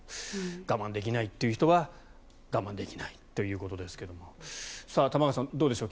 我慢できないという人は我慢できないということですが玉川さん、どうでしょう。